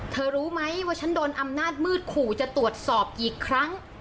รู้ไหมว่าฉันโดนอำนาจมืดขู่จะตรวจสอบกี่ครั้ง